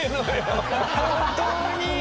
本当に。